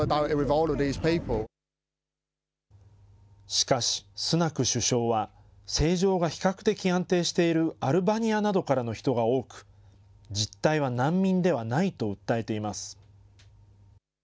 しかし、スナク首相は、政情が比較的安定しているアルバニアなどからの人が多く、実態は難民ではないと訴えています。